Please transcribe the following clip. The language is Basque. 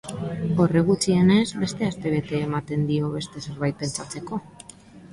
Horrek gutxienez beste astebete ematen dio beste zerbait pentsatzeko.